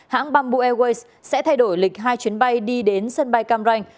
hãng bamboo airways sẽ thay đổi lịch hai chuyến bay đi đến sân bay cam ranh